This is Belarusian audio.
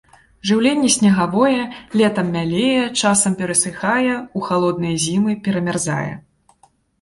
Жыўленне снегавое, летам мялее, часам перасыхае, у халодныя зімы перамярзае.